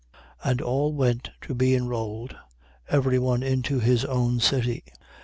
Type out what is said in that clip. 2:3. And all went to be enrolled, every one into his own city. 2:4.